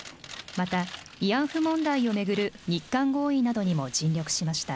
また、慰安婦問題を巡る日韓合意などにも尽力しました。